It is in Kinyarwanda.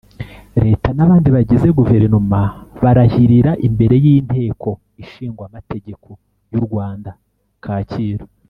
Leta n abandi bagize Guverinoma barahirira imbere y’ inteko ishingwamategeko y’ u Rwanda kacyiru